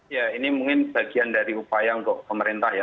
ya ini mungkin bagian dari upaya untuk pemerintah ya